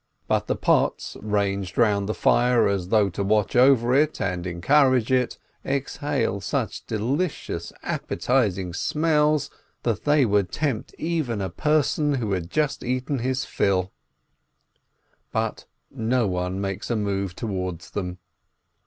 But the pots, ranged round the fire as though to watch over it and encourage it, ex BERTZI WASSERFUHRER 213 hale such delicious, appetizing smells that they would tempt even a person who had just eaten his fill. But no one makes a move towards them.